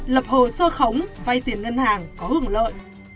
lập hồ sơ khống vay tiền ngân hàng có hưởng lợi